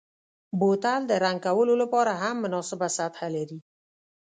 بوتل د رنګ کولو لپاره هم مناسبه سطحه لري.